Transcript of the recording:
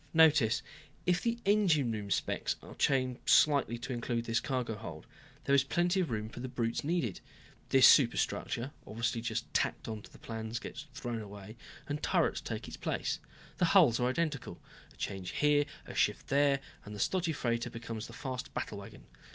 "Notice if the engine room specs are changed slightly to include this cargo hold, there is plenty of room for the brutes needed. This superstructure obviously just tacked onto the plans gets thrown away, and turrets take its place. The hulls are identical. A change here, a shift there, and the stodgy freighter becomes the fast battlewagon.